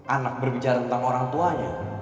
anak berbicara tentang orang tuanya